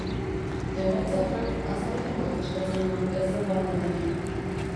Emaitza horrek azalpen bat eskatzen du ezer baino lehen.